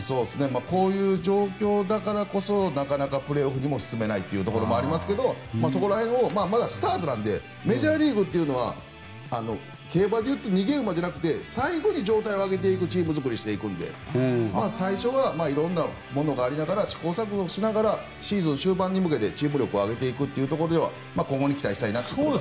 こういう状況だからこそなかなかプレーオフにも進めないところもありますがまだまだスタートなのでメジャーリーグでいうと競馬でいうと逃げ馬じゃなくて最後に状態を上げていくチーム作りをしていくので最初は色んなものがありながら試行錯誤しながらシーズン終盤に向けてチーム力を上げていくうえでは今後に期待したいです。